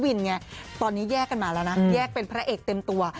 ตอนนี้แยกกันมาแล้วนะแยกเป็นพระเอกเต็มตัว